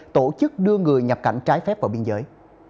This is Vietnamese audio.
tổ chức đưa người nhập cảnh trái phép vào biên giới